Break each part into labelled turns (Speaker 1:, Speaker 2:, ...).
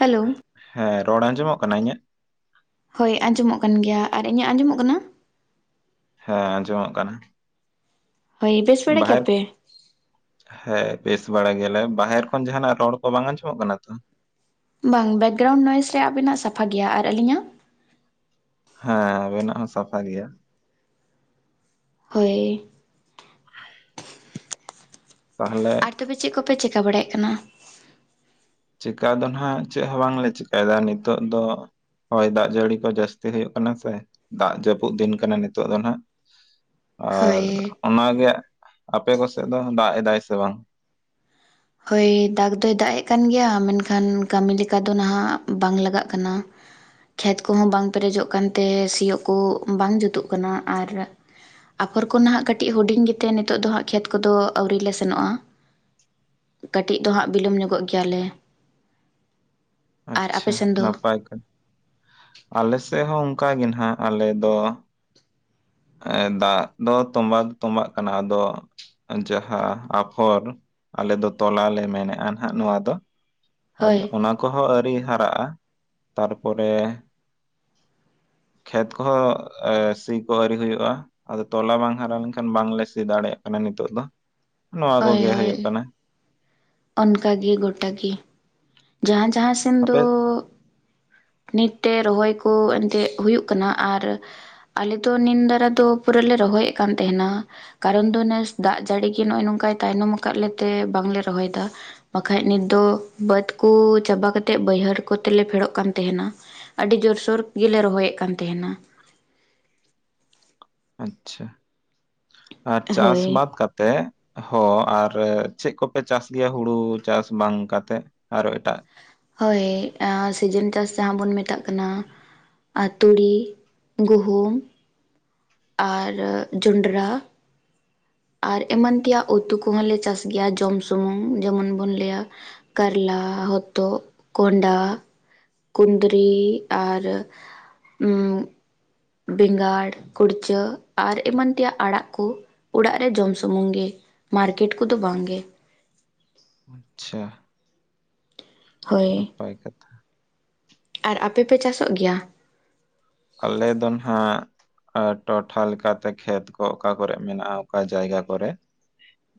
Speaker 1: Hello
Speaker 2: ᱦᱮᱸ ᱨᱚᱲ ᱟᱸᱡᱚᱢᱚᱜ ᱠᱟᱱᱟ ᱤᱧᱟᱹᱜ?
Speaker 1: ᱦᱳᱭ ᱟᱸᱡᱚᱢᱚᱜ ᱠᱟᱱ ᱜᱮᱭᱟ ᱟᱨ ᱤᱧᱟᱹᱜ ᱟᱸᱡᱚᱢᱚᱜ ᱠᱟᱱᱟ?
Speaker 2: ᱦᱮᱸ ᱟᱸᱡᱚᱢᱚᱜ ᱠᱟᱱᱟ᱾
Speaker 1: ᱦᱳᱭ, ᱵᱮᱥ ᱵᱟᱲᱟ
Speaker 2: ᱵᱟᱦᱮᱨ
Speaker 1: ᱜᱮᱭᱟᱯᱮ?
Speaker 2: ᱦᱮᱸ ᱵᱮᱥ ᱵᱟᱲᱟ ᱜᱮᱭᱟᱞᱮ᱾ ᱵᱟᱦᱮᱨ ᱠᱷᱚᱱ ᱡᱟᱸᱦᱟᱱᱟᱜ ᱨᱚᱲ ᱠᱚ ᱵᱟᱝ ᱟᱸᱡᱚᱢᱚᱜ ᱠᱟᱱᱟ ᱛᱚ?
Speaker 1: ᱵᱟᱝ᱾ ᱵᱮᱠᱜᱨᱟᱣᱩᱱᱰ ᱱᱚᱭᱮᱡᱽ ᱨᱮ ᱟᱵᱤᱱᱟᱜ ᱥᱟᱯᱷᱟ ᱜᱮᱭᱟ ᱟᱨ ᱟᱹᱞᱤᱧᱟᱜ?
Speaker 2: ᱦᱮᱸ ᱟᱵᱮᱱᱟᱜ ᱦᱚᱸ ᱥᱟᱯᱷᱟ ᱜᱮᱭᱟ᱾
Speaker 1: ᱦᱳᱭ᱾
Speaker 2: ᱛᱟᱦᱞᱮ
Speaker 1: ᱟᱨ ᱛᱚᱵᱮ ᱪᱮᱫ ᱠᱚᱯᱮ ᱪᱮᱠᱟ ᱵᱟᱲᱟᱭᱮᱜ ᱠᱟᱱᱟ?
Speaker 2: ᱪᱮᱠᱟ ᱫᱚ ᱱᱟᱜ ᱪᱮᱫ ᱦᱚᱸ ᱵᱟᱝᱞᱮ ᱪᱤᱠᱟᱭᱮᱫᱟ᱾ ᱱᱤᱛᱚᱜ ᱫᱚ ᱦᱚᱭ ᱫᱟᱜ ᱡᱟᱹᱲᱤ ᱠᱚ ᱡᱟᱹᱥᱛᱤ ᱦᱩᱭᱩᱜ ᱠᱟᱱᱟ ᱥᱮ, ᱫᱟᱜ ᱡᱟᱹᱯᱩᱫ ᱫᱤᱱ ᱠᱟᱱᱟ ᱱᱤᱛᱚᱜ ᱫᱚ ᱱᱟᱦᱟᱜ᱾ ᱟᱨ
Speaker 1: ᱦᱳᱭ
Speaker 2: ᱚᱱᱟᱜᱮ ᱟᱯᱮ ᱠᱚ ᱥᱮᱫ ᱫᱚ ᱫᱟᱜ ᱮᱫᱟᱭ ᱥᱮ ᱵᱟᱝ?
Speaker 1: ᱦᱳᱭ ᱫᱟᱜᱽ ᱫᱚᱭ ᱫᱟᱜ ᱮᱜ ᱠᱟᱱ ᱜᱮᱭᱟ, ᱢᱮᱱᱠᱷᱟᱱ ᱠᱟᱹᱢᱤ ᱞᱮᱠᱟ ᱫᱚ ᱱᱟᱦᱟᱜ ᱵᱟᱝ ᱞᱟᱜᱟᱜ ᱠᱟᱱᱟ᱾ ᱠᱷᱮᱛ ᱠᱚᱦᱚᱸ ᱵᱟᱝ ᱯᱮᱨᱮᱡᱚᱜ ᱠᱟᱱᱛᱮ ᱥᱤᱭᱳᱜ ᱠᱚ ᱵᱟᱝ ᱡᱩᱛᱩᱜ ᱠᱟᱱᱟ ᱟᱨ ᱟᱯᱷᱚᱨ ᱠᱚ ᱱᱟᱦᱟᱜ ᱠᱟᱹᱴᱤᱡ ᱦᱩᱰᱤᱝ ᱜᱮᱛᱮ ᱱᱤᱛᱚᱜ ᱫᱚ ᱦᱟᱸᱟᱜ ᱠᱷᱮᱛ ᱠᱚᱫᱚ ᱟᱹᱣᱨᱤ ᱞᱮ ᱥᱮᱱᱚᱜ-ᱟ᱾ ᱠᱟᱹᱴᱤᱡ ᱫᱚ ᱦᱟᱸᱜ ᱵᱤᱞᱚᱢ ᱧᱚᱜᱚᱜ ᱜᱮᱭᱟᱞᱮ᱾ ᱟᱨ ᱟᱯᱮ
Speaker 2: ᱟᱪᱪᱷᱟ,
Speaker 1: ᱥᱮᱱ ᱫᱚ
Speaker 2: ᱱᱟᱯᱟᱭ ᱠᱟᱱᱟ ᱟᱞᱮ ᱥᱮᱫ ᱦᱚᱸ ᱚᱝᱠᱟ ᱜᱮ ᱱᱟᱜ ᱟᱞᱮ ᱫᱚ ᱮᱸ, ᱫᱟᱜ ᱫᱚ ᱛᱚᱸᱵᱟ ᱫᱚ ᱛᱚᱸᱵᱟᱜ ᱠᱟᱱᱟ᱾ ᱟᱫᱚ ᱡᱟᱦᱟᱸ ᱟᱯᱷᱚᱨ ᱟᱞᱮ ᱫᱚ ᱛᱚᱞᱟ ᱞᱮ ᱢᱮᱱᱮᱜ-ᱟ, ᱱᱟᱦᱟᱜ ᱱᱚᱣᱟ ᱫᱚ᱾
Speaker 1: ᱦᱳᱭ
Speaker 2: ᱟᱫᱚ ᱚᱱᱟ ᱠᱚᱦᱚᱸ ᱟᱹᱨᱤ ᱦᱟᱨᱟᱜ-ᱟ, ᱛᱟᱨᱯᱚᱨᱮ ᱠᱷᱮᱛ ᱠᱚᱦᱚᱸ ᱥᱤ ᱠᱚ ᱟᱹᱣᱨᱤ ᱦᱩᱭᱩᱜ-ᱟ᱾ ᱟᱫᱚ ᱛᱚᱞᱟ ᱵᱟᱝ ᱦᱟᱨᱟ ᱞᱮᱱᱠᱷᱟᱱ ᱵᱟᱝᱞᱮ ᱥᱤ ᱫᱟᱲᱮᱭᱟᱜ ᱠᱟᱱᱟ ᱱᱤᱛᱚᱜ ᱫᱚ, ᱱᱚᱣᱟ ᱠᱚᱜᱮ ᱦᱩᱭᱩᱜ ᱠᱟᱱᱟ᱾
Speaker 1: ᱚᱱᱠᱟᱜᱮ, ᱜᱚᱴᱟᱜᱮ, ᱡᱟᱦᱟᱸ ᱡᱟᱦᱟᱸ ᱥᱮᱱ
Speaker 2: ᱟᱯᱮ
Speaker 1: ᱫᱚ ᱱᱤᱛ ᱛᱮ ᱨᱚᱦᱚᱭ ᱠᱚ ᱮᱱᱛᱮᱫ ᱦᱩᱭᱩᱜ ᱠᱟᱱᱟ᱾ ᱟᱨ ᱟᱞᱮ ᱫᱚ ᱱᱤᱱ ᱫᱟᱨᱟ ᱫᱚ ᱯᱩᱨᱟᱹ ᱞᱮ ᱨᱚᱦᱚᱭᱮᱫ ᱠᱟᱱ ᱛᱮᱦᱮᱱᱟ᱾ ᱠᱟᱨᱚᱱ ᱫᱚ ᱱᱮᱥ ᱫᱟᱜ ᱡᱟᱹᱲᱤ ᱜᱮ ᱱᱚᱜ-ᱚᱭ ᱱᱚᱝᱠᱟᱭ ᱛᱟᱭᱱᱚᱢ ᱟᱠᱟᱫ ᱞᱮᱛᱮ ᱵᱟᱝᱞᱮ ᱨᱚᱦᱚᱭᱫᱟ᱾ ᱵᱟᱠᱷᱟᱡ ᱱᱤᱛ ᱫᱚ ᱵᱟᱹᱫᱽ ᱠᱚ ᱪᱟᱵᱟ ᱠᱟᱛᱮᱫ ᱵᱟᱹᱭᱦᱟᱹᱲ ᱠᱚᱛᱮ ᱞᱮ ᱯᱷᱮᱲᱚᱜ ᱠᱟᱱ ᱛᱟᱦᱮᱱᱟ᱾ ᱟᱹᱰᱤ ᱡᱳᱨᱥᱳᱲ ᱜᱮᱞᱮ ᱨᱚᱦᱚᱭᱮᱫ ᱠᱟᱱ ᱛᱮᱦᱮᱱᱟ᱾
Speaker 2: ᱟᱪᱪᱷᱟ, ᱟᱨ
Speaker 1: ᱦᱳᱭ
Speaker 2: ᱪᱟᱥᱵᱟᱫ ᱠᱟ‌ᱛ ᱛᱮ ᱦᱚᱸ ᱟᱨ ᱪᱮᱫ ᱠᱚᱯᱮ ᱪᱟᱥ ᱜᱮᱭᱟ? ᱦᱩᱲᱩ ᱪᱟᱥ ᱵᱟᱝ ᱠᱟᱛᱮᱫ? ᱟᱨᱚ ᱮᱴᱟᱜ
Speaker 1: ᱦᱳᱭ ᱟᱨ ᱥᱤᱡᱤᱱ ᱪᱟᱥ ᱡᱟᱦᱟᱸ ᱵᱚᱱ ᱢᱮᱛᱟᱜ ᱠᱟᱱᱟ᱾ ᱟᱨ ᱛᱩᱲᱤ, ᱜᱩᱦᱩᱢ ᱟᱨ ᱡᱚᱸᱰᱨᱟ᱾ ᱟᱨ ᱮᱢᱟᱱ ᱛᱮᱭᱟᱜ ᱩᱛᱩ ᱠᱚᱦᱚᱸᱞᱮ ᱪᱟᱥ ᱜᱮᱭᱟ ᱡᱚᱢ ᱥᱩᱢᱩᱝ ᱡᱮᱢᱚᱱ ᱵᱚᱱ ᱞᱟᱹᱭᱟ᱾ ᱠᱟᱨᱞᱟ, ᱦᱚᱛᱚᱫ, ᱠᱚᱸᱰᱷᱟ᱾ ᱠᱩᱸᱫᱽᱨᱤ ᱟᱨ ᱩᱸᱜ ᱵᱮᱸᱜᱟᱲ, ᱠᱩᱲᱪᱟᱹ ᱟᱨ ᱮᱢᱟᱱ ᱛᱮᱭᱟᱜ ᱟᱲᱟᱜ ᱠᱳ ᱚᱲᱟᱜ ᱨᱮ ᱡᱚᱢ ᱥᱩᱢᱩᱝ ᱜᱮ᱾ ᱢᱟᱨᱠᱮᱹᱴ ᱠᱚᱫᱚ ᱵᱟᱝ ᱜᱮ᱾
Speaker 2: ᱟᱪᱪᱷᱟ
Speaker 1: ᱦᱳᱭ
Speaker 2: ᱱᱟᱯᱟᱭ ᱠᱟᱛᱼᱼ
Speaker 1: ᱟᱨ ᱟᱯᱮ ᱯᱮ ᱪᱟᱥᱚᱜ ᱜᱮᱭᱟ?
Speaker 2: ᱟᱞᱮ ᱫᱚ ᱱᱟᱸᱜᱼᱼ ᱴᱚᱴᱷᱟ ᱞᱮᱠᱟᱛᱮ ᱠᱷᱮᱛ ᱠᱚ ᱚᱠᱟ ᱠᱚᱨᱮᱜ ᱢᱮᱱᱟᱜᱼᱟ ᱚᱠᱟ ᱡᱟᱭᱜᱟ ᱠᱚᱨᱮᱜᱼᱼ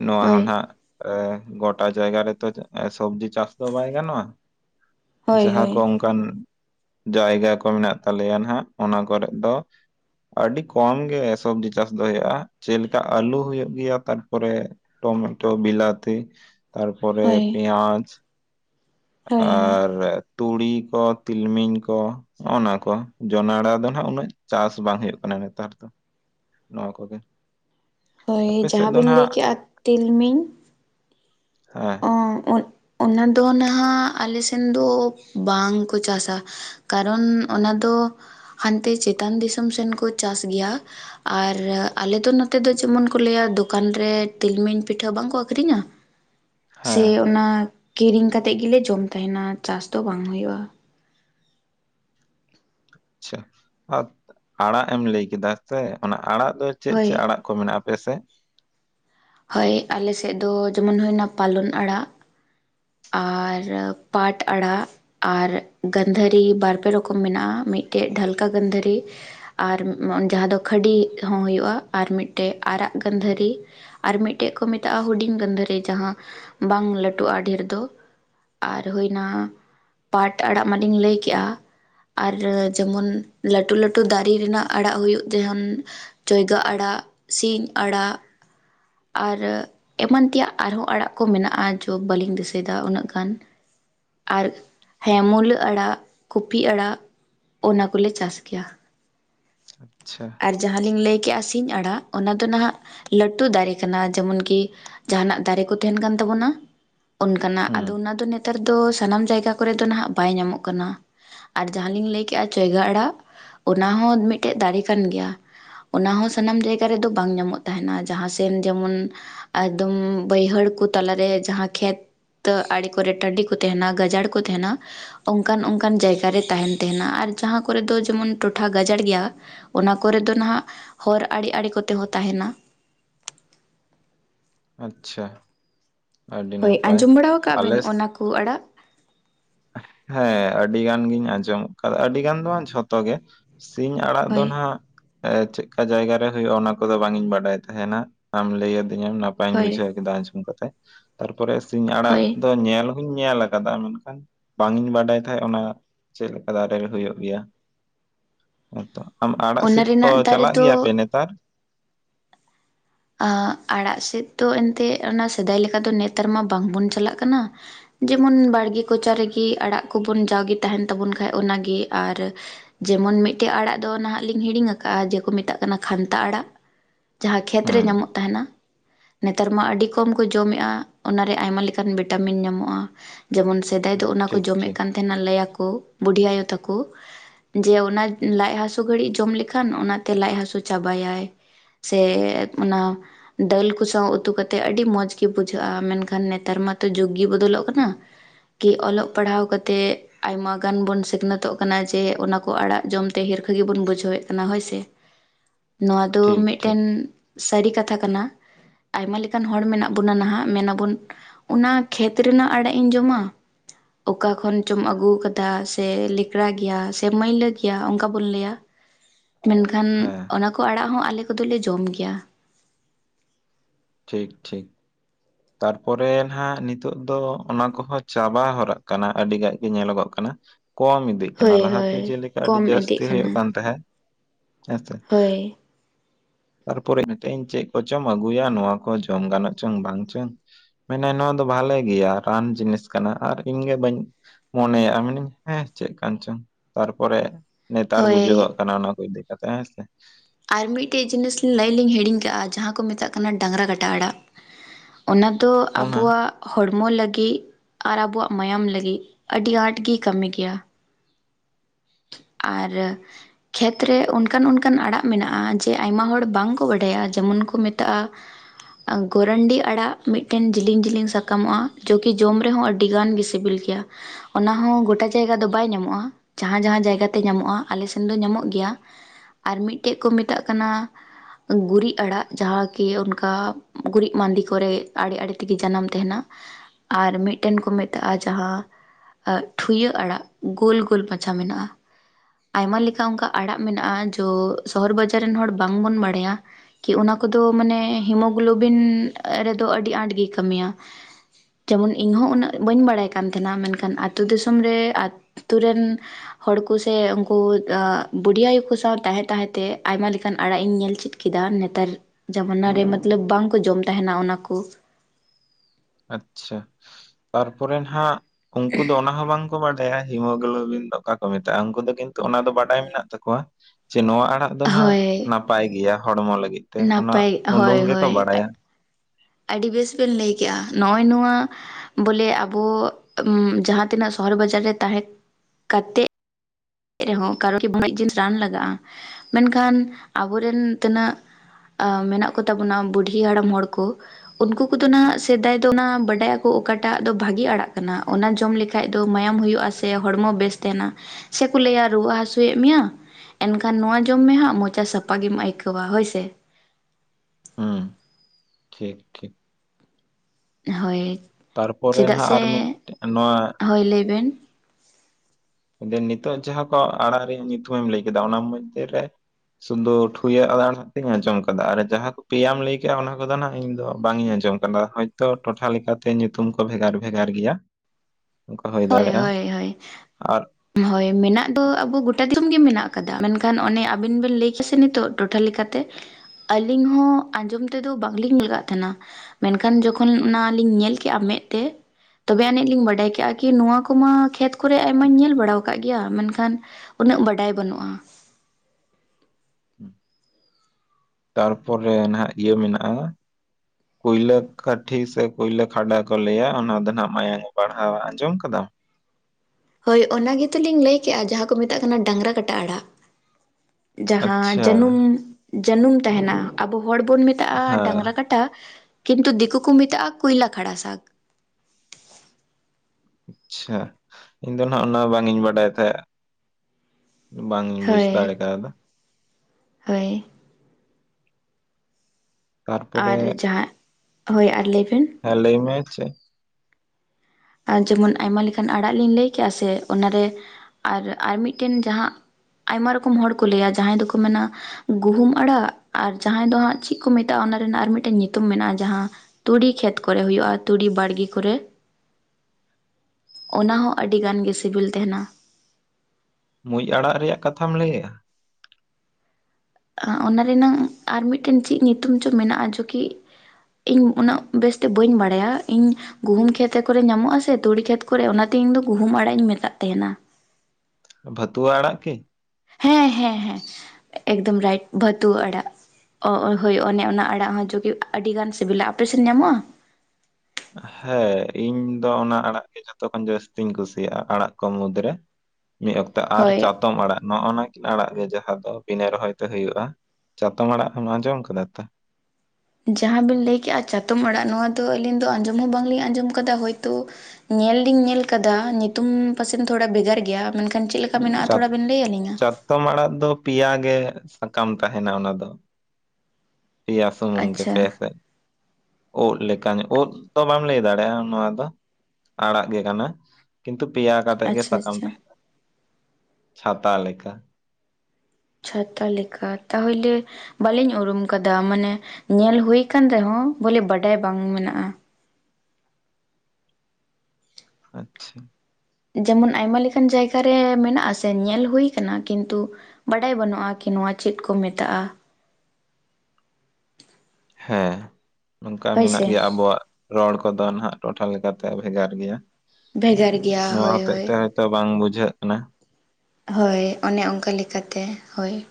Speaker 2: ᱱᱚᱣᱟ
Speaker 1: ᱦᱳᱭ
Speaker 2: ᱦᱚᱸ ᱱᱟᱸᱜ, ᱮ ᱜᱚᱴᱟ ᱡᱟᱭᱜᱟ ᱨᱮᱛᱚ ᱥᱚᱵᱽᱡᱤ ᱪᱟᱥ ᱫᱚ ᱵᱟᱭ ᱜᱟᱱᱚᱜᱼᱟ ᱾
Speaker 1: ᱦᱳᱭ
Speaker 2: ᱡᱟᱦᱟᱸ
Speaker 1: ᱦᱳᱭ
Speaker 2: ᱠᱚ ᱚᱝᱠᱟᱱ ᱡᱟᱭᱜᱟ ᱠᱚ ᱢᱮᱱᱟᱜ ᱛᱟᱞᱮᱭᱟ ᱱᱟᱸᱜ ᱚᱱᱟ ᱠᱚᱨᱮᱜ ᱫᱚᱼᱼᱼ ᱟᱹᱰᱤ ᱠᱚᱢ ᱜᱮ ᱥᱚᱵᱽᱡᱤ ᱪᱟᱥ ᱫᱚ ᱦᱩᱭᱩᱜᱼᱟ, ᱪᱮᱞᱮᱠᱟ ᱟᱹᱞᱩ ᱦᱩᱭᱩᱜ ᱜᱮᱭᱟ ᱛᱟᱨᱯᱚᱨᱮᱼᱼᱼ ᱴᱚᱢᱮᱴᱳ ᱵᱤᱞᱟᱛᱤ ᱛᱟᱨᱯᱚᱨᱮ
Speaker 1: ᱦᱳᱭ
Speaker 2: ᱯᱮᱸᱭᱟᱡᱽ,
Speaker 1: ᱦᱳᱭ ᱦᱳᱭ
Speaker 2: ᱟᱻᱨᱮ ᱛᱩᱲᱤ ᱠᱚ ᱛᱤᱞᱢᱤᱧ ᱠᱚ ᱱᱚᱼᱜ ᱱᱟ ᱠᱚ ᱾ ᱡᱚᱱᱟᱲᱟ ᱫᱚ ᱷᱟᱜ ᱩᱱᱟᱹᱜ ᱪᱟᱥ ᱵᱟᱝ ᱦᱩᱭᱩᱜ ᱠᱟᱱᱟ ᱱᱮᱛᱟᱨ ᱫᱚ ᱱᱚᱣᱟ ᱠᱚᱜᱮ ᱾
Speaker 1: ᱦᱳᱭ ᱡᱟᱦᱟᱸᱵᱤᱱ ᱞᱟᱹᱭ ᱠᱮᱜᱼᱟ ᱛᱤᱞᱢᱤᱧᱼᱼ
Speaker 2: ᱦᱮᱸ
Speaker 1: ᱚᱸᱫ ᱚᱱᱟ ᱫᱚ ᱱᱟᱸᱜ ᱟᱞᱮ ᱥᱮᱱ ᱫᱚ ᱵᱟᱝᱠᱚ ᱪᱟᱥᱟ ᱾ ᱠᱟᱨᱚᱱ ᱚᱱᱟ ᱫᱚ ᱦᱟᱱᱛᱮ ᱪᱮᱛᱟᱱ ᱫᱤᱥᱚᱢ ᱥᱮᱱ ᱠᱚ ᱪᱟᱥ ᱜᱮᱭᱟ ᱾ ᱟᱨ ᱟᱞᱮ ᱫᱚ ᱱᱚᱛᱮ ᱫᱚ ᱡᱮᱢᱚᱱ ᱠᱚ ᱞᱟᱹᱭᱟ ᱫᱚᱠᱟᱱ ᱨᱮ ᱛᱤᱞᱢᱤᱧ ᱯᱤᱴᱷᱟᱹ ᱵᱟᱝᱠᱚ ᱟᱹᱠᱷᱨᱤᱧᱟ,
Speaker 2: ᱦᱮᱸ
Speaker 1: ᱥᱮ ᱚᱱᱟ ᱠᱤᱨᱤᱧ ᱠᱟᱛᱮᱜ ᱜᱮᱞᱮ ᱡᱚᱢ ᱛᱟᱦᱮᱱᱟ ᱪᱟᱥ ᱫᱚ ᱵᱟᱝ ᱦᱳᱭᱳᱜᱼᱟ ᱾
Speaker 2: ᱟᱪᱪᱷᱟ ᱟᱨ ᱟᱲᱟᱜ ᱮᱢ ᱞᱟᱹᱭ ᱠᱮᱫᱟ ᱥᱮ ᱚᱱᱟ ᱟᱲᱟᱜ ᱫᱚ ᱪᱮᱜ -
Speaker 1: ᱦᱳᱭ
Speaker 2: ᱪᱮᱜ ᱟᱲᱟᱜ, ᱠᱚ ᱢᱮᱱᱟᱜᱼᱟ ᱟᱯᱮ ᱥᱮᱜ?
Speaker 1: ᱦᱳᱭ ᱟᱞᱮᱥᱮᱜ ᱫᱚ ᱡᱮᱢᱚᱱ ᱦᱩᱭᱱᱟ ᱯᱟᱞᱚᱱ ᱟᱲᱟᱜᱼᱼ ᱨᱟ ᱯᱟᱴ ᱟᱲᱟᱜ ᱟᱨ ᱜᱟᱺᱫᱷᱟᱹᱨᱤ ᱵᱟᱨᱯᱮ ᱨᱚᱠᱚᱢ ᱢᱮᱱᱟᱜᱼᱟ, ᱢᱤᱫᱴᱮᱜ ᱰᱷᱟᱞᱠᱟ ᱜᱟᱺᱫᱷᱟᱹᱨᱤᱼᱼ ᱟᱨ ᱡᱟᱦᱟᱸ ᱫᱚ ᱠᱷᱟᱹᱰᱤ ᱦᱚᱸ ᱦᱩᱭᱩᱜᱼᱟ ᱟᱨ ᱢᱤᱫᱴᱮᱜ ᱟᱨᱟᱜ ᱜᱟᱺᱫᱷᱟᱹᱨᱤᱼᱼ ᱟᱨ ᱢᱤᱫᱴᱮᱡ ᱠᱚ ᱢᱮᱛᱟᱜᱼᱟ ᱦᱩᱰᱤᱧ ᱜᱟᱺᱱᱫᱷᱟᱹᱨᱤ ᱡᱟᱦᱟᱸ ᱵᱟᱝ ᱞᱟᱹᱴᱩᱜᱼᱟ ᱰᱷᱮᱨᱼᱼ ᱟᱨ ᱦᱩᱭᱱᱟ ᱯᱟᱴ ᱟᱲᱟᱜ ᱢᱟᱞᱤᱧ ᱞᱟᱹᱭ ᱠᱮᱜᱼᱟ, ᱟᱨ ᱡᱮᱢᱚᱱ ᱞᱟᱹᱴᱩ - ᱞᱟᱹᱴᱩ ᱫᱟᱨᱮ ᱨᱮᱱᱟᱜ ᱟᱲᱟᱜ ᱦᱩᱭᱩᱜ ᱡᱟᱹᱦᱟᱹᱱᱼᱼ ᱪᱚᱭᱜᱟ ᱟᱲᱟᱜ ᱥᱤᱧ ᱟᱲᱟᱜᱼᱼ ᱟᱨ ᱮᱢᱟᱱ ᱛᱮᱭᱟᱜ ᱟᱨᱦᱚᱸ ᱟᱲᱟᱜ ᱠᱚ ᱢᱮᱱᱟᱜᱼᱟ ᱡᱚ ᱵᱟᱹᱞᱤᱧ ᱫᱤᱥ-ᱼ ᱪᱮᱫᱟᱜ ᱩᱱᱟᱹᱜ ᱜᱟᱱ ᱟᱨ, ᱦᱮ ᱢᱩᱞᱟᱹ ᱟᱲᱟᱜ ᱠᱩᱯᱤ ᱟᱲᱟᱜ ᱚᱱᱟ ᱠᱚᱞᱮ ᱪᱟᱥ ᱜᱮᱭᱟ ᱾
Speaker 2: ᱟᱪᱪᱷᱟ
Speaker 1: ᱟᱨ ᱡᱟᱦᱟᱸ ᱞᱤᱧ ᱞᱟᱹᱭ ᱠᱮᱜᱼᱟ ᱥᱤᱧ ᱟᱲᱟᱜ ᱚᱱᱟ ᱫᱚ ᱱᱟᱜ ᱞᱟᱹᱴᱩ ᱫᱟᱨᱮ ᱠᱟᱱᱟ ᱡᱮᱢᱚᱱ ᱠᱤᱼᱼ ᱡᱟᱦᱟᱱᱟᱜ ᱫᱟᱨᱮ ᱠᱚ ᱛᱟᱦᱮᱱ ᱠᱟᱱ ᱛᱟᱵᱚᱱᱟ ᱚᱱᱠᱟ ᱱᱟᱜ
Speaker 2: ᱦᱩᱸ
Speaker 1: ᱟᱫᱚ ᱚᱱᱟ ᱫᱚ ᱱᱤᱛ-ᱼ ᱱᱮᱛᱟᱨ ᱫᱚ ᱥᱟᱱᱟᱢ ᱡᱟᱭᱜᱟ ᱠᱚᱨᱮ ᱫᱚ ᱱᱟᱜ ᱵᱟᱭ ᱧᱟᱢᱚᱜ ᱠᱟᱱᱟ ᱾ ᱟᱨ ᱡᱟᱦᱟᱸ ᱞᱤᱧ ᱞᱟᱹᱭ ᱠᱮᱜᱼᱟ ᱪᱚᱭᱜᱟ ᱟᱲᱟᱜ ᱚᱱᱟ ᱦᱚᱸ ᱢᱤᱫᱴᱮᱜ ᱫᱟᱨᱮ ᱠᱟᱱ ᱜᱮᱭᱟ ᱾ ᱚᱱᱟ ᱦᱚᱸ ᱥᱟᱱᱟᱢ ᱡᱟᱭᱜᱟ ᱨᱮᱫᱚ ᱵᱟᱝ ᱧᱟᱢᱚᱜ ᱛᱟᱦᱮᱱᱟ ᱡᱟᱦᱟᱸ ᱥᱮᱱ ᱡᱮᱢᱚᱱᱼᱼ ᱟᱫᱚᱢ ᱵᱟᱹᱭᱦᱟᱹᱲ ᱠᱚ ᱛᱟᱞᱟᱨᱮ ᱡᱟᱦᱟᱸ ᱠᱷᱮᱛ, ᱛᱚ ᱟᱹᱰᱤ ᱠᱚ ᱨᱮᱴᱟᱹᱴᱤ ᱠᱩ ᱛᱟᱦᱮᱱᱟ ᱜᱟᱡᱟᱲ ᱠᱩ ᱛᱟᱦᱮᱱᱟ, ᱚᱱᱠᱟᱱ - ᱚᱱᱠᱟᱱ ᱡᱟᱭᱜᱟ ᱨᱮ ᱛᱟᱦᱮᱱ ᱛᱮᱦᱮᱱᱟ ᱟᱨ ᱡᱟᱦᱟᱸ ᱠᱚᱨᱮ ᱫᱚ ᱡᱮᱢᱚᱱ ᱴᱚᱴᱷᱟ ᱜᱟᱡᱟᱲ ᱜᱮᱭᱟ ᱾ ᱚᱱᱟ ᱠᱚᱨᱮ ᱫᱚ ᱱᱷᱟᱜ ᱦᱚᱨ ᱟᱲᱮ - ᱟᱲᱮ ᱠᱚᱛᱮ ᱦᱚᱸ ᱛᱟᱦᱮᱱᱟ ᱾
Speaker 2: ᱟᱪᱪᱷᱟ, ᱟᱹᱰᱤ
Speaker 1: ᱦᱳᱭ
Speaker 2: ᱱᱟᱯᱟᱭ
Speaker 1: ᱟᱸᱡᱚᱢ ᱵᱟᱲᱟ ᱟᱠᱟᱜ ᱵᱮᱱ
Speaker 2: ᱟᱞᱮᱥ
Speaker 1: ᱚᱱᱟ ᱠᱚ ᱟᱲᱟᱜ
Speaker 2: ᱦᱮᱸ ᱟᱹᱰᱤ ᱜᱟᱱ ᱜᱤᱧ ᱟᱸᱡᱚᱢᱚᱜ ᱠᱟᱫ-ᱟ ᱟᱹᱰᱤ ᱜᱟᱱ ᱫᱚ ᱵᱟᱝ ᱡᱷᱚᱛᱚ ᱜᱮᱼ ᱼ ᱥᱤᱧ ᱟᱲᱟᱜ ᱫᱚ
Speaker 1: ᱦᱳᱭ
Speaker 2: ᱱᱟᱸᱜ ᱪᱮᱫᱠᱟ ᱡᱟᱭᱜᱟ ᱨᱮ ᱦᱩᱭᱩᱜᱼᱟ ᱚᱱᱟ ᱠᱚᱫᱚ ᱵᱟᱝ ᱤᱧ ᱵᱟᱰᱟᱭ ᱛᱟᱦᱮᱱᱟᱜ ᱟᱢ ᱞᱟᱹᱭ ᱟᱹᱫᱤᱧᱟᱢ ᱱᱟᱯᱼᱼ ᱵᱟᱹᱧ
Speaker 1: ᱦᱳᱭ
Speaker 2: ᱵᱩᱡᱷᱟᱹᱣ ᱠᱮᱫᱟ ᱟᱸᱡᱚᱢ ᱠᱟᱛᱮ, ᱛᱟᱨᱯᱚᱨᱮ ᱥᱤᱧ ᱟᱲᱟᱜ
Speaker 1: ᱦᱳᱭ
Speaker 2: ᱫᱚ ᱧᱮᱞᱼᱼ ᱦᱚᱧ ᱧᱮᱞ ᱟᱠᱟᱫᱟ ᱚᱱᱠᱟ ᱵᱟᱝ ᱤᱧ ᱵᱟᱰᱟᱭ ᱛᱟᱦᱮᱸ ᱚᱱᱟ ᱪᱮᱫ ᱞᱮᱠᱟ ᱫᱟᱨᱮ ᱨᱮ ᱦᱩᱭᱩᱜ ᱜᱮᱭᱟ ᱾ ᱦᱮᱸᱛᱚ ᱟᱢ ᱟᱲᱟᱜ
Speaker 1: ᱚᱱᱟ
Speaker 2: ᱥᱤᱫ ᱠᱚ
Speaker 1: ᱨᱮᱱᱟᱜ ᱫᱟᱨᱮ
Speaker 2: ᱪᱟᱞᱟᱜ ᱜᱮᱭᱟ
Speaker 1: ᱫᱚ
Speaker 2: ᱯᱮ ᱱᱮᱛᱟᱨ?
Speaker 1: ᱟᱲᱟᱜ ᱥᱮᱫ ᱫᱚ ᱮᱱᱛᱮᱫ ᱚᱱᱟ ᱥᱮᱫᱟᱭ ᱞᱮᱠᱟ ᱫᱚ ᱱᱮᱛᱟᱨ ᱢᱟ ᱵᱟᱝᱵᱚᱱ ᱪᱟᱞᱟᱜ ᱠᱟᱱᱟ ᱾ ᱡᱮᱢᱚᱱ ᱵᱟᱲᱜᱮ ᱠᱚᱪᱟ ᱨᱮᱜᱮ ᱟᱲᱟᱜ ᱠᱚᱵᱚᱱ ᱡᱟᱣᱜᱮ ᱛᱟᱦᱮᱱ ᱛᱟᱵᱚᱱ ᱠᱷᱟᱱ ᱚᱱᱟᱜᱮ ᱟᱨᱼᱼ ᱡᱮᱢᱚᱱ ᱢᱤᱫᱴᱮᱡ ᱟᱲᱟᱜ ᱫᱚ ᱱᱟᱦᱟᱜ ᱞᱤᱧ ᱦᱤᱲᱤᱧ ᱟᱠᱟᱜ-ᱟ ᱡᱮᱠᱚ ᱢᱮᱛᱟᱜ ᱠᱟᱱᱟ ᱠᱷᱟᱱᱛᱟ ᱟᱲᱟᱜ ᱡᱟᱦᱟᱸ ᱠᱷᱮ ᱛᱨᱮ
Speaker 2: ᱦᱩᱸ
Speaker 1: ᱧᱟᱢᱚᱜ ᱛᱟᱦᱮᱱᱟ, ᱱᱮᱛᱟᱨ ᱢᱟ ᱟᱹᱰᱤ ᱠᱚᱢ ᱠᱚ ᱡᱚᱢᱮᱜ-ᱟ ᱚᱱᱟᱨᱮ ᱟᱭᱢᱟ ᱞᱮᱠᱟᱱ ᱵᱷᱤᱴᱟᱢᱤᱱ ᱧᱟᱢᱚᱜ-ᱟ ᱡᱮᱢᱚᱱ ᱥᱮᱫᱟᱭ ᱫᱚ ᱚᱱᱟ ᱠᱚ
Speaker 2: ᱴᱷᱤᱠ
Speaker 1: ᱡᱚᱢᱮᱫ
Speaker 2: ᱴᱷᱤᱠ
Speaker 1: ᱠᱟᱱ ᱛᱟᱦᱮᱸᱱᱟ ᱞᱟᱹᱭᱟᱠᱚ ᱵᱩᱰᱷᱤ ᱟᱭᱳ ᱛᱟᱠᱩ ᱡᱮ ᱚᱱᱟ ᱞᱟᱡ ᱦᱟᱹᱥᱩ ᱜᱷᱟᱹᱲᱤᱡ ᱡᱚᱢ ᱞᱮᱠᱷᱟᱱ ᱚᱱᱟᱛᱮ ᱞᱟᱡ ᱦᱟᱹᱥᱩ ᱪᱟᱵᱟᱭᱟᱭ᱾ ᱥᱮ ᱚᱱᱟ ᱫᱟᱹᱞ ᱠᱚ ᱥᱟᱶ ᱩᱛᱩ ᱠᱟᱛᱮᱜ ᱟᱹᱰᱤ ᱢᱚᱸᱡᱽ ᱜᱮ ᱵᱩᱡᱷᱟᱹᱜ-ᱟ ᱢᱮᱱᱠᱷᱟᱱ ᱱᱮᱛᱟᱨ ᱢᱟᱛᱚ ᱡᱳᱜ ᱜᱮ ᱵᱚᱫᱚᱞᱚᱜ ᱠᱟᱱᱟ ᱠᱤ ᱚᱞᱚᱜ ᱯᱟᱲᱦᱟᱣ ᱠᱟᱛᱮᱜ ᱟᱭᱢᱟ ᱜᱟᱱ ᱵᱚᱱ ᱥᱤᱠᱷᱱᱟᱹᱛᱚᱜ ᱠᱟᱱᱟ ᱡᱮ ᱚᱱᱟ ᱠᱚ ᱟᱲᱟᱜ ᱡᱚᱢᱛᱮ ᱦᱤᱨᱠᱷᱟᱹ ᱜᱮᱵᱚᱱ ᱵᱩᱡᱷᱟᱹᱣᱮᱫ ᱠᱟᱱᱟ ᱦᱳᱭᱥᱮ
Speaker 2: [inaudible]
Speaker 1: ᱱᱚᱣᱟ ᱫᱚ
Speaker 2: ᱴᱷᱤᱠ ᱴᱷᱤᱠ
Speaker 1: ᱢᱤᱫᱴᱮᱱ ᱥᱟᱹᱨᱤ ᱠᱟᱛᱷᱟ ᱠᱟᱱᱟ, ᱟᱭᱢᱟ ᱞᱮᱠᱟᱱ ᱦᱚᱲ ᱢᱮᱱᱟᱜ ᱵᱚᱱᱟ ᱱᱟᱦᱟᱜ ᱢᱮᱱ ᱟᱵᱚᱱ ᱚᱱᱟ ᱠᱷᱮᱛ ᱨᱮᱱᱟᱜ ᱟᱲᱟᱜ ᱤᱧ ᱡᱚᱢᱟ ᱚᱠᱟ ᱠᱷᱚᱱ ᱪᱚᱢ ᱟᱹᱜᱩᱣᱠᱟᱫ ᱫᱟ ᱥᱮ ᱞᱮᱠᱲᱟ ᱜᱮᱭᱟ ᱥᱮ ᱢᱟᱹᱭᱞᱟᱹ ᱜᱮᱭᱟ ᱚᱱᱠᱟ ᱵᱚᱱ ᱞᱟᱹᱭᱟ, ᱢᱮᱱᱠᱷᱟᱱ
Speaker 2: ᱦᱮᱸ
Speaker 1: ᱚᱱᱟ ᱠᱚ ᱟᱲᱟᱜ ᱦᱚᱸ ᱟᱞᱮ ᱠᱚᱫᱚᱞᱮ ᱡᱚᱢ ᱜᱮᱭᱟ᱾
Speaker 2: ᱴᱷᱤᱠ ᱴᱷᱤᱠ ᱛᱟᱨᱯᱚᱨᱮ ᱱᱟᱦᱟᱜ ᱱᱤᱛᱚᱜ ᱫᱚ ᱚᱱᱟ ᱠᱚᱦᱚᱸ ᱪᱟᱵᱟ ᱦᱚᱨᱟᱜ ᱠᱟᱱᱟ ᱟᱹᱰᱤ ᱜᱟᱡ ᱜᱮ ᱧᱮᱞᱚᱜᱚᱜ ᱠᱟᱱᱟ᱾ ᱠᱚᱢ ᱤᱫᱤᱜ ᱠᱟᱱᱟ
Speaker 1: ᱦᱳᱭ
Speaker 2: ᱞᱟᱦᱟᱛᱮ
Speaker 1: ᱦᱳᱭ
Speaker 2: ᱡᱮᱞᱮᱠᱟ ᱟᱹᱰᱤ
Speaker 1: ᱠᱚᱢ
Speaker 2: ᱡᱟᱹᱥᱛᱤ
Speaker 1: ᱤᱫᱤᱜ
Speaker 2: ᱦᱩᱭᱩᱜ
Speaker 1: ᱠᱟᱱᱟ
Speaker 2: ᱠᱟᱱ ᱛᱟᱦᱮᱸᱫ ᱦᱮᱸᱥᱮ
Speaker 1: ᱦᱳᱭ᱾
Speaker 2: ᱛᱟᱨᱯᱚᱨᱮ ᱱᱤᱛᱚᱜ ᱤᱧ ᱪᱮᱫ ᱠᱚᱪᱚᱝ ᱟᱹᱜᱩᱭᱟ ᱱᱚᱣᱟ ᱠᱚ ᱡᱚᱢ ᱜᱟᱱᱚᱜ ᱪᱚᱝ ᱵᱟᱝ ᱪᱚᱝ ᱢᱮᱱᱟᱭ ᱱᱚᱣᱟ ᱫᱚ ᱵᱷᱟᱞᱮ ᱜᱮᱭᱟ ᱨᱟᱱ ᱡᱤᱱᱤᱥ ᱠᱟᱱᱟ ᱟᱨ ᱤᱧᱜᱮ ᱵᱟᱹᱧ ᱢᱚᱱᱮᱭᱟᱜ-ᱟ ᱢᱮᱱᱤᱧ ᱦᱮᱸ ᱪᱮᱫ ᱠᱟᱱ ᱪᱚᱝ ᱛᱟᱨᱯᱚᱨᱮ ᱱᱮᱛᱟᱨ ᱵᱩᱡᱷᱟᱹ
Speaker 1: ᱦᱳᱭ
Speaker 2: ᱜᱚᱜ ᱠᱟᱱᱟ ᱚᱱᱟ ᱠᱚ ᱤᱫᱤ ᱠᱟᱛᱮ ᱦᱮᱸᱥᱮ᱾
Speaker 1: ᱟᱨ ᱢᱤᱫᱴᱮᱡ ᱡᱤᱱᱤᱥ ᱞᱟᱹᱭ ᱞᱤᱧ ᱦᱤᱲᱤᱧ ᱠᱟᱜ-ᱟ ᱡᱟᱦᱟᱸ ᱠᱚ ᱢᱮᱛᱟᱜ ᱠᱟᱱᱟ ᱰᱟᱝᱨᱟ ᱠᱟᱴᱟ ᱟᱲᱟᱜ, ᱚᱱᱟ ᱫᱚ
Speaker 2: ᱚᱱᱟ
Speaker 1: ᱟᱵᱚᱣᱟᱜ ᱦᱚᱲᱢᱚ ᱞᱟᱹᱜᱤ ᱟᱨ ᱟᱵᱚᱣᱟᱜ ᱢᱟᱭᱟᱢ ᱞᱟᱹᱜᱤ ᱟᱹᱰᱤ ᱟᱸᱴ ᱜᱮᱭ ᱠᱟᱹᱢᱤ ᱜᱮᱭᱟ᱾ ᱟᱨ ᱠᱷᱮᱛᱨᱮ ᱚᱱᱠᱟᱱ ᱚᱱᱠᱟᱱ ᱟᱲᱟᱜ ᱢᱮᱱᱟᱜ-ᱟ ᱡᱮ ᱟᱭᱢᱟ ᱦᱚᱲ ᱵᱟᱝᱠᱚ ᱵᱟᱰᱟᱭᱟ ᱡᱮᱢᱚᱱ ᱠᱚ ᱢᱮᱛᱟᱜ-ᱟ, ᱜᱳᱨᱟᱹᱱᱰᱤ ᱟᱲᱟᱜ ᱢᱤᱫᱴᱮᱱ ᱡᱤᱞᱤᱧ ᱡᱤᱞᱤᱧ ᱥᱟᱠᱟᱢᱚᱜ-ᱟ ᱡᱚᱠᱤ ᱡᱚᱢ ᱨᱮᱦᱚᱸ ᱟᱹᱰᱤ ᱜᱟᱱ ᱜᱮ ᱥᱤ ᱥᱤᱵᱤᱞ ᱜᱮᱭᱟ ᱚᱱᱟ ᱦᱚᱸ ᱜᱚᱴᱟ ᱡᱟᱭᱜᱟ ᱫᱚ ᱵᱟᱭ ᱧᱟᱢᱚᱜ-ᱟ, ᱡᱟᱦᱟᱸ ᱡᱟᱦᱟᱸ ᱡᱟᱭᱜᱟᱛᱮ ᱧᱟᱢᱚᱜ-ᱟ ᱟᱞᱮ ᱥᱮᱱ ᱫᱚ ᱧᱟᱢᱚᱜ ᱜᱮᱭᱟ ᱟᱨ ᱢᱤᱫᱴᱮᱡ ᱠᱚ ᱢᱮᱛᱟᱜ ᱠᱟᱱᱟ, ᱜᱩᱨᱤᱡ ᱟᱲᱟᱜ ᱡᱟᱦᱟᱸ ᱠᱤ ᱚᱱᱠᱟ ᱜᱩᱨᱤᱡ ᱢᱟᱸᱫᱤ ᱠᱚᱨᱮᱜ ᱟᱲᱮ ᱟᱲᱮ ᱛᱮᱜᱮ ᱡᱟᱱᱟᱢ ᱛᱟᱦᱮᱱᱟ, ᱟᱨ ᱢᱤᱫᱴᱮᱱ ᱠᱚ ᱢᱮᱛᱟᱜ-ᱟ ᱡᱟᱦᱟᱸ ᱴᱷᱩᱭᱟᱹᱜ ᱟᱲᱟᱜ ᱜᱳᱞ ᱜᱳᱞ ᱯᱟᱛ ᱪᱪᱷᱟ ᱢᱮᱱᱟᱜ-ᱟ᱾ ᱟᱭᱢᱟ ᱞᱮᱠᱟ ᱚᱱᱠᱟ ᱟᱲᱟᱜ ᱢᱮᱱᱟᱜ-ᱟ ᱡᱳ ᱥᱚᱦᱚᱨ ᱵᱟᱡᱟᱨ ᱨᱮᱱ ᱦᱚᱲ ᱵᱟᱝ ᱵᱚᱱ ᱵᱟᱲᱟᱭᱟ, ᱠᱤ ᱚᱱᱟ ᱠᱚᱫᱚ ᱢᱟᱱᱮ ᱦᱤᱢᱳᱜᱞᱳᱵᱤᱱ ᱨᱮᱫᱚ ᱟᱹᱰᱤ ᱟᱸᱴ ᱜᱮᱭ ᱠᱟᱹᱢᱤᱭᱟ, ᱡᱮᱢᱚᱱ ᱤᱧ ᱦᱚᱸ ᱩᱱᱟᱹᱜ ᱵᱟᱹᱧ ᱵᱟᱲᱟᱭ ᱠᱟᱱ ᱛᱷᱮᱱᱟ ᱢᱮᱱᱠᱷᱟᱱ ᱟᱛᱳ ᱫᱤᱥᱚᱢ ᱨᱮ ᱟᱛᱩ ᱨᱮᱱ ᱦᱚᱲ ᱠᱩᱥᱮ ᱩᱱᱠᱩ ᱵᱩᱰᱦᱤ ᱟᱭᱩ ᱠᱚ ᱥᱟᱶ ᱛᱟᱦᱮᱸ ᱛᱟᱦᱮᱸᱛᱮ ᱟᱭᱢᱟ ᱞᱮᱠᱟᱱ ᱟᱲᱟᱜ ᱤᱧ ᱧᱮᱞ ᱪᱮᱫ ᱠᱮᱫᱟ ᱱᱮᱛᱟᱨ ᱡᱟᱢᱟᱱᱟ ᱨᱮ ᱢᱚᱛᱞᱚᱵ ᱵᱟᱝ ᱠᱚ ᱡᱚᱢ ᱛᱟᱦᱮᱱᱟ ᱚᱱᱟ ᱠᱩ
Speaker 2: ᱟᱪᱪᱷᱟ ᱛᱟᱨᱯᱚᱨᱮ ᱱᱟᱦᱟᱜ ᱩᱱᱠᱩ ᱫᱚ ᱚᱱᱟ ᱦᱚᱸ ᱵᱟᱝᱠᱚ ᱵᱟ ᱰᱟᱭᱟ ᱦᱤᱢᱳᱜᱞᱳᱵᱤᱱ ᱫᱚ ᱚᱠᱟ ᱠᱚ ᱢᱮᱛᱟᱜ-ᱟ ᱩᱱᱠᱩ ᱫᱚ ᱠᱤᱱᱛᱩ ᱚᱱᱟ ᱫᱚ ᱵᱟᱰᱟᱭ ᱢᱮᱱᱟᱜ ᱛᱟᱠᱚᱣᱟ ᱡᱮ ᱱᱚᱣᱟ ᱟᱲᱟᱜ ᱟᱫᱚ ᱱᱟᱦᱟᱜ
Speaker 1: ᱦᱳᱭ
Speaker 2: ᱱᱟᱯᱟᱭ ᱜᱮᱭᱟ ᱦᱚᱲᱢᱚ ᱞᱟᱹᱜᱤᱫ ᱛᱮ ᱚᱱᱟ
Speaker 1: ᱱᱟᱯᱟᱭ ᱦᱳᱭ
Speaker 2: ᱩᱰᱩᱝ ᱜᱮᱠᱚ
Speaker 1: ᱦᱳᱭ
Speaker 2: ᱵᱟᱲᱟᱭᱟ᱾
Speaker 1: ᱟᱹᱰᱤ ᱵᱮᱥ ᱵᱮᱱ ᱞᱟᱹᱭ ᱠᱮᱜ-ᱟ ᱱᱚᱜ-ᱚᱭ ᱱᱚᱣᱟ ᱵᱚᱞᱮ ᱟᱵᱚ ᱡᱟᱦᱟᱸ ᱛᱤᱱᱟᱹᱜ ᱥᱚᱦᱚᱨ ᱵᱟᱡᱟᱨ ᱨᱮ ᱛᱟᱦᱮᱸ ᱠᱟᱛᱮᱜ [inaudible] ᱨᱟᱱ ᱞᱟᱜᱟᱜ-ᱟ ᱢᱮᱱᱠᱷᱟᱱ ᱟᱵᱚᱨᱮᱱ ᱛᱤᱱᱟᱹᱜ ᱟ ᱢᱮᱱᱟᱜ ᱠᱚ ᱛᱟᱵᱩᱱᱟ ᱵᱩᱰᱷᱤ ᱦᱟᱲᱟᱢ ᱦᱚᱲ ᱠᱩ, ᱩᱱᱠᱩ ᱠᱚᱫᱚ ᱱᱷᱟᱜ ᱥᱮᱫᱟᱭ ᱫᱚ ᱱᱟ ᱵᱟᱰᱟᱭ ᱟᱠᱚ ᱚᱠᱟᱴᱟᱜ ᱫᱚ ᱵᱷᱟᱜᱮ ᱟᱲᱟᱜ ᱠᱟᱱᱟ ᱚᱱᱟ ᱡᱚᱢ ᱞᱮᱠᱟ ᱠᱷᱟᱡ ᱫᱚ ᱢᱟᱭᱟᱢ ᱦᱩᱭᱩᱜ-ᱟ ᱥᱮ ᱦᱚᱲᱢᱚ ᱵᱮᱥ ᱛᱮᱦᱮᱱᱟ, ᱥᱮᱠᱚ ᱞᱟᱹᱭᱟ ᱨᱩᱣᱟᱹᱜ ᱦᱟᱹᱥᱩᱭᱮᱫ ᱢᱮᱭᱟ? ᱮᱱᱠᱷᱟᱱ ᱱᱚᱣᱟ ᱡᱚᱢ ᱢᱮ ᱦᱟᱸᱜ ᱢᱚᱪᱟ ᱥᱟᱯᱟ ᱜᱮᱢ ᱟᱹᱭᱠᱟᱹᱣᱟ ᱦᱳᱭ ᱥᱮ।
Speaker 2: ᱦᱩᱸ ᱴᱷᱤᱠ ᱴᱷᱤᱠ
Speaker 1: ᱦᱳᱭ
Speaker 2: ᱛᱟᱨᱯᱚᱨᱮ
Speaker 1: ᱪᱮᱫᱟᱜ
Speaker 2: ᱱᱟᱦᱟᱜ ᱟᱨ
Speaker 1: ᱥᱮ
Speaker 2: ᱢᱤᱫᱴᱮᱱ ᱱᱚᱣᱟ
Speaker 1: ᱦᱳᱭ ᱞᱟᱹᱭ ᱵᱮᱱ।
Speaker 2: ᱵᱮᱱ ᱱᱤᱛᱚᱜ ᱡᱟᱦᱟᱸ ᱠᱚ ᱟᱲᱟᱜ ᱨᱮᱭᱟᱜ ᱧᱩᱛᱩᱢ ᱢᱮᱢ ᱞᱟᱹᱭ ᱠᱮᱫᱟ ᱚᱱᱟ ᱢᱚᱫᱽᱫᱷᱮ ᱨᱮ ᱼᱼ ᱥᱩᱫᱩ ᱴᱷᱩᱸᱭᱟᱹᱜ ᱟᱫᱟᱲ ᱨᱮᱱᱟᱜ ᱛᱤᱧ ᱟᱸᱡᱚᱢ ᱠᱟᱫᱟ᱾ ᱟᱨ ᱡᱟᱦᱟᱸ ᱠᱚ ᱯᱮᱭᱟᱢ ᱞᱟᱹᱭ ᱠᱮᱜᱼᱟ ᱚᱱᱟ ᱠᱚᱫᱚ ᱱᱦᱟᱜ ᱤᱧ ᱫᱚ ᱵᱟᱝ ᱤᱧ ᱟᱸᱡᱚᱢ ᱼᱼ ᱠᱟᱫᱟ, ᱦᱳᱭᱛᱳ ᱴᱚᱴᱷᱟ ᱞᱮᱠᱟᱛᱮ ᱧᱩᱛᱩᱢ ᱠᱚ ᱵᱷᱮᱜᱟᱨ ᱵᱷᱮᱜᱟᱨ ᱜᱮᱭᱟ। ᱚᱱᱠᱟ ᱦᱩᱭ
Speaker 1: ᱦᱳᱭ
Speaker 2: ᱫᱟᱲᱮᱭᱟᱜᱼᱟ
Speaker 1: ᱦᱳᱭ ᱦᱳᱭ᱾
Speaker 2: ᱟᱨ
Speaker 1: ᱦᱳᱭ ᱢᱮᱱᱟᱜ ᱫᱚ ᱟᱵᱚ ᱜᱚᱴᱟ ᱫᱤᱥᱚᱢ ᱜᱮ ᱢᱮᱱᱟᱜ ᱟᱠᱟᱫᱟ᱾ ᱢᱮᱱᱠᱷᱟᱱ ᱚᱱᱮ ᱟᱵᱤᱱ ᱵᱤᱱ ᱞᱟᱹᱭ ᱠᱮᱜᱼᱟ ᱥᱮ ᱱᱤᱛᱚᱜ ᱴᱚᱴᱷᱟ ᱞᱮᱠᱟᱛᱮ, ᱟᱹᱞᱤᱧ ᱦᱚᱸ ᱟᱸᱡᱚᱢ ᱛᱮᱫᱚ ᱵᱟᱝᱞᱤᱧ ᱟᱞᱜᱟᱜ ᱛᱟᱸᱦᱮᱱᱟ। ᱢᱮᱱᱠᱷᱟᱱ ᱡᱚᱠᱷᱚᱱ ᱚᱱᱟᱞᱤᱧ ᱧᱮᱞ ᱠᱮᱜᱼᱟ ᱢᱮᱸᱫ ᱛᱮ, ᱛᱚᱵᱮ ᱟᱹᱱᱤᱡ ᱞᱤᱧ ᱵᱟᱰᱟᱭ ᱠᱮᱜᱼᱟ ᱠᱤ ᱱᱚᱣᱟ ᱠᱚᱢᱟ ᱠᱷᱮᱛ ᱠᱚᱨᱮ ᱟᱭᱢᱟᱧ ᱧᱮᱞ ᱵᱟᱲᱟᱣ ᱠᱟᱜ ᱜᱮᱭᱟ, ᱢᱮᱱᱠᱷᱟᱱ ᱩᱱᱟᱹᱜ ᱵᱟᱰᱟᱭ ᱵᱟᱹᱱᱩᱜᱼᱟ।
Speaker 2: ᱛᱟᱨᱯᱚᱨᱮ ᱱᱟᱦᱟᱜ ᱤᱭᱟᱹ ᱢᱮᱱᱟᱜᱼᱟ। ᱠᱩᱭᱞᱟᱹ ᱠᱟᱴᱷᱤ ᱥᱮ ᱠᱩᱭᱞᱟᱹ ᱠᱷᱟᱰᱟ ᱠᱚ ᱞᱟᱹᱭᱟ ᱚᱱᱟ ᱫᱚ ᱱᱦᱟᱜ ᱢᱟᱭᱟᱝ ᱯᱟᱲᱦᱟᱣᱟ᱾ ᱟᱸᱡᱚᱢ ᱠᱟᱫᱟᱢ?
Speaker 1: ᱦᱳᱭ ᱚᱱᱟ ᱜᱮᱛᱚᱞᱤᱧ ᱞᱟᱹᱭ ᱠᱮᱜᱼᱟ ᱡᱟᱦᱟᱸ ᱠᱚ ᱢᱮᱛᱟᱜ ᱠᱟᱱᱟ ᱰᱟᱝᱨᱟ ᱠᱟᱴᱟ ᱟᱲᱟᱜ। ᱡᱟᱦᱟᱸ
Speaker 2: ᱟᱪᱪᱷᱟ
Speaker 1: ᱡᱟᱹᱱᱩᱢ ᱡᱟᱹᱱᱩᱢ ᱛᱟᱦᱮᱱᱟ᱾ ᱟᱵᱚ ᱦᱚᱲ ᱵᱚᱱ ᱢᱤ ᱛᱟᱜᱼᱟ
Speaker 2: ᱦᱮᱸ
Speaker 1: ᱰᱟᱝᱨᱟ ᱠᱟᱴᱟ ᱠᱤᱱᱛᱩ ᱫᱤᱠᱩ ᱠᱚ ᱢᱮᱛᱟᱜᱼᱟ ᱠᱚᱩᱭᱞᱟ ᱠᱷᱟᱲᱟ ᱥᱟᱠ।
Speaker 2: ᱟᱪᱪᱷᱟ, ᱤᱧ ᱫᱚ ᱱᱟᱜ ᱚᱱᱟ ᱵᱟᱝ ᱤᱧ ᱵᱟᱰᱟᱭ ᱛᱟᱦᱮᱸᱫ। ᱵᱟᱝᱤᱧ ᱵᱩᱡ ᱫᱟᱲᱮ
Speaker 1: ᱦᱳᱭ
Speaker 2: ᱠᱟᱣᱫᱟ।
Speaker 1: ᱦᱳᱭ᱾
Speaker 2: ᱛᱟᱨᱯᱚᱨᱮ
Speaker 1: ᱟᱨ ᱡᱟᱦᱟᱸ, ᱦᱳᱭ ᱟᱨ ᱞᱟᱹᱭᱵᱤᱱ।
Speaker 2: ᱦᱮᱸ ᱞᱟᱹᱭ ᱢᱮ ᱪᱮᱫ?
Speaker 1: ᱟ ᱡᱮᱢᱚᱱ ᱟᱭᱢᱟ ᱞᱮᱠᱟᱱ ᱟᱲᱟᱜ ᱞᱤᱧ ᱞᱟᱹᱭ ᱠᱮᱜᱼᱟ ᱥᱮ ᱚᱱᱟᱨᱮ ᱟᱨ ᱟᱨ ᱢᱤᱫᱴᱮᱱ ᱡᱟᱦᱟᱸ ᱼᱼ ᱟᱭᱢᱟ ᱨᱚᱠᱚᱢ ᱦᱚᱲ ᱠᱚ ᱞᱟᱹᱭᱟ᱾ ᱡᱟᱦᱟᱸᱭ ᱫᱚᱠᱚ ᱢᱮᱱᱟ ᱼᱼ ᱜᱩᱦᱩᱢ ᱟᱲᱟᱜ ᱟᱨ ᱡᱟᱦᱟᱸᱭ ᱫᱚ ᱦᱟᱸᱜ ᱪᱤᱫ ᱠᱩ ᱢᱮᱛᱟᱜᱼᱟ ᱚᱱᱟ ᱨᱮᱱᱟᱜ ᱟᱨ ᱢᱤᱫᱴᱮᱱ ᱧᱩᱛᱩᱢ ᱢᱮᱱᱟᱜᱼᱟ, ᱡᱟᱦᱟᱸ ᱼᱼ ᱛᱩᱲᱤ ᱠᱷᱮᱛ ᱠᱚᱨᱮ ᱦᱩᱭᱩᱜᱼᱟ ᱛᱩᱲᱤ ᱵᱟᱲᱜᱤ ᱠᱚᱨᱮ। ᱚᱱᱟ ᱦᱚᱸ ᱟᱹᱰᱤ ᱜᱟᱱ ᱜᱮ ᱥᱤᱵᱤᱞ ᱛᱟᱸᱦᱮᱱᱟ।
Speaker 2: ᱢᱩᱸᱡ ᱟᱲᱟᱜ ᱨᱮᱭᱟᱜ ᱠᱟᱛᱷᱟᱢ ᱞᱟᱹᱭᱮᱜᱼᱟ?
Speaker 1: ᱟ ᱚᱱᱟ ᱨᱮᱱᱟᱝ ᱟᱨ ᱢᱤᱫᱴᱮᱱ ᱪᱮᱫ ᱧᱩᱛᱩᱢ ᱪᱚ ᱢᱮᱱᱟᱜᱼᱟ ᱡᱚ ᱠᱤ ᱼᱼ ᱤᱧ ᱩᱱᱟᱹᱜ ᱵᱮᱥᱛᱮ ᱵᱟᱹᱧ ᱵᱟᱲᱟᱭᱟ, ᱤᱧ ᱼᱼ ᱜᱩᱦᱩᱢ ᱠᱷᱮᱛ ᱠᱚᱨᱮ ᱧᱟᱢᱚᱜᱼᱟ ᱥᱮ ᱛᱩᱲᱤ ᱠᱷᱮᱛ ᱠᱚᱨᱮ ᱚᱱᱟᱛᱮ ᱤᱧ ᱫᱚ ᱜᱩᱦᱩᱢ ᱟᱲᱟᱜ ᱤᱧ ᱢᱮᱛᱟᱜ ᱛᱟᱸᱦᱮᱱᱟ।
Speaker 2: ᱵᱷᱟᱹᱛᱩᱣᱟᱹ ᱟᱲᱟᱜ ᱠᱤ?
Speaker 1: ᱦᱮᱸ ᱦᱮᱸ ᱦᱮᱸ ᱮᱠᱫᱚᱢ ᱨᱟᱭᱤᱴ ᱵᱷᱟᱹᱛᱩᱣᱟᱹ ᱟᱲᱟᱜ। ᱚ ᱚ ᱦᱳᱭ ᱚᱱᱮ ᱚᱱᱟ ᱟᱲᱟᱜ ᱦᱚᱸ ᱡᱚ ᱠᱤ ᱟᱹᱰᱤᱜᱟᱱ ᱥᱤᱵᱤᱞᱟ। ᱚᱯᱮᱥᱮᱱ ᱧᱟᱢᱚᱜᱼᱟ?
Speaker 2: ᱦᱮᱸ ᱤᱧ ᱫᱚ ᱚᱱᱟ ᱟᱲᱟᱜ ᱜᱮ ᱡᱷᱚᱛᱚ ᱠᱷᱚᱱ ᱡᱟᱹᱥᱛᱤᱧ ᱠᱩᱥᱤᱭᱟᱜᱼᱟ, ᱟᱲᱟᱜ ᱠᱚ ᱢᱩᱫᱽᱨᱮ। ᱢᱤᱫ ᱚᱠᱛᱚ ᱟᱨ
Speaker 1: ᱦᱳᱭ
Speaker 2: ᱪᱟᱛᱚᱢ ᱟᱲᱟᱜ ᱱᱚᱜᱼᱚ ᱱᱟ ᱟᱲᱟᱜ ᱜᱮ ᱡᱟᱦᱟᱸ ᱫᱚ ᱵᱤᱱᱟᱹ ᱨᱚᱦᱚᱭ ᱛᱮ ᱦᱩᱭᱩᱜᱼᱟ। ᱪᱟᱛᱚᱢ ᱟᱲᱟᱜ ᱮᱢ ᱟᱸᱡᱚᱢ ᱠᱟᱫᱟ ᱛᱚ?
Speaker 1: ᱡᱟᱦᱟᱸ ᱵᱤᱱ ᱞᱟᱹᱭ ᱠᱮᱜᱼᱟ ᱪᱟᱛᱚᱢ ᱚᱲᱟᱜ᱾ ᱱᱚᱣᱟ ᱫᱚ ᱟᱹᱞᱤᱧ ᱫᱚ ᱟᱸᱡᱚᱢ ᱦᱚᱸ ᱵᱟᱝᱞᱤᱧ ᱟᱸᱡᱚᱢ ᱠᱟᱫᱟ ᱦᱚᱳᱭᱛᱳ ᱧᱮᱞ ᱞᱤᱧ ᱧᱮᱞ ᱠᱟᱫᱟ ᱧᱩᱛᱩᱢ ᱯᱟᱥᱮᱱ ᱛᱷᱚᱲᱟ ᱵᱷᱮᱜᱟᱨ ᱜᱮᱭᱟ᱾ ᱢᱮᱱᱠᱷᱟᱱ ᱪᱮᱫ ᱞᱮᱠᱟ ᱠᱟ ᱢᱮᱱᱟᱜᱼᱟ, ᱛᱷᱚᱲᱟ ᱵᱤᱱ ᱞᱟᱹᱭ ᱟᱹᱞᱤᱧᱟ᱾
Speaker 2: ᱪᱟᱛᱚᱢ ᱟᱲᱟᱜ ᱫᱚ ᱯᱮᱭᱟ ᱜᱮ ᱥᱟᱠᱟᱢ ᱛᱟᱸᱦᱮᱱᱟ ᱚᱱᱟ ᱫᱚ। ᱯᱮᱭᱟ ᱥᱩᱢᱩᱝ ᱜᱮ
Speaker 1: ᱟᱪᱪᱷᱟ
Speaker 2: ᱯᱮ ᱥᱮᱫ ᱳᱫᱽ ᱞᱮᱠᱟᱱ ᱩᱫ ᱫᱚ ᱵᱟᱢ ᱞᱟᱹᱭ ᱫᱟᱲᱮᱭᱟᱜᱼᱟ ᱱᱚᱣᱟ ᱫᱚ ᱟᱲᱟᱜ ᱜᱮ ᱠᱟᱱᱟ ᱠᱤᱱᱛᱩ ᱯᱮᱭᱟ ᱠᱟᱛᱮᱜ ᱜᱮ
Speaker 1: ᱟᱪᱪᱷᱟ
Speaker 2: ᱥᱟᱠᱟᱢ
Speaker 1: ᱟᱪᱪᱷᱟ
Speaker 2: ᱛᱟᱦᱮᱸᱫ ᱪᱷᱟᱛᱟ ᱞᱮᱠᱟ।
Speaker 1: ᱪᱷᱛᱟ ᱞᱮᱠᱟ, ᱛᱟᱦᱚᱞᱮ ᱼᱼ ᱵᱟᱹᱞᱤᱧ ᱩᱨᱩᱢ ᱠᱟᱫᱟ ᱢᱟᱱᱮ ᱧᱮᱞ ᱦᱩᱭ ᱟᱠᱟᱱ ᱨᱮᱦᱚᱸ ᱵᱚᱞᱮ ᱵᱟᱰᱟᱭ ᱵᱟᱝ ᱢᱮᱱᱟᱜᱼᱟ ᱾
Speaker 2: ᱟᱪᱪᱷᱟ᱾
Speaker 1: ᱡᱮᱢᱚᱱ ᱟᱭᱢᱟ ᱞᱮᱠᱟᱱ ᱡᱟᱭᱜᱟᱨᱮ ᱢᱮᱱᱟᱜᱼᱟ ᱟᱥᱮ ᱧᱮᱞ ᱦᱩᱭ ᱟᱠᱟᱱᱟ ᱾ ᱠᱤᱱᱛᱩ ᱵᱟᱰᱟᱭ ᱵᱟᱹᱱᱩᱜᱼᱟ, ᱠᱤ ᱱᱚᱣᱟ ᱪᱮᱫ ᱠᱚ ᱢᱮᱛᱟᱜᱼᱟ ᱾
Speaker 2: ᱦᱮᱸ ᱱᱚᱝᱠᱟ
Speaker 1: ᱦᱳᱭ
Speaker 2: ᱢᱮᱱᱟᱜ
Speaker 1: ᱥᱮ
Speaker 2: ᱜᱮᱭᱟ ᱟᱵᱚᱣᱟᱜ ᱨᱚᱲ ᱠᱚᱫᱚ ᱱᱟᱸᱦᱟᱜ ᱴᱚᱴᱷᱟ ᱞᱮᱠᱟᱛᱮ ᱵᱷᱮᱜᱟᱨ ᱜᱮᱭᱟ,
Speaker 1: ᱵᱷᱮᱜᱟᱨ ᱜᱮᱭᱟ
Speaker 2: ᱱᱚᱣᱟ
Speaker 1: ᱦᱳᱭ
Speaker 2: ᱦᱚᱛᱮᱜ
Speaker 1: ᱦᱳᱭ
Speaker 2: ᱛᱮ ᱦᱚᱭ ᱛᱚ ᱵᱟᱝ ᱵᱩᱡᱷᱟᱹᱜ ᱠᱟᱱᱟ‌ ᱾
Speaker 1: ᱦᱳᱭ ᱚᱱᱮ ᱚᱱᱠᱟ ᱞᱮᱠᱟᱛᱮ ᱦᱳᱭ ᱾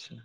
Speaker 2: ᱟᱪᱪᱷᱟ ᱾